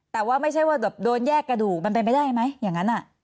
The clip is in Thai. แต่ว่าไม่ใช่ว่าแบบโดนแยกกระดูกมันเป็นไปได้ไหมอย่างนั้น